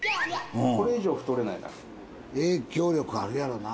これ以上太れないな。